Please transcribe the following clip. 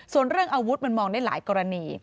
ส่วนเรื่องอาวุธมันมองได้หลายกรณี